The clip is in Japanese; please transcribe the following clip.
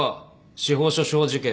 司法書士法事件